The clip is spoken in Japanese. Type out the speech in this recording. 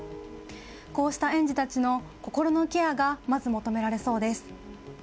こうした園児たちの心のケアがまず求められそうです。